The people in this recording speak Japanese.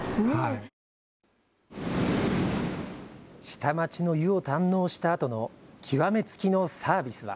下町の湯を堪能したあとの極め付きのサービスは。